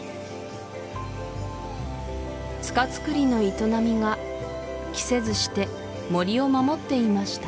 ツカツクリの営みが期せずして森を守っていました